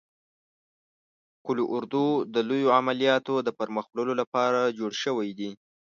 قول اردو د لوی عملیاتو د پرمخ وړلو لپاره جوړ شوی دی.